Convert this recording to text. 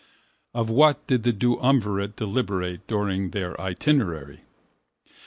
Of what did the duumvirate deliberate during their itinerary?